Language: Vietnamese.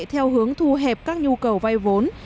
theo hướng thu hẹp các nhu cầu vai vốn